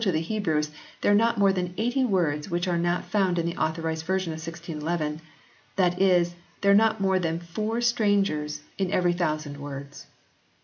to the Hebrews there are not more than eighty words which are not found in the Authorised Version of 1611, that is, there are not more than four strangers in every thousand words.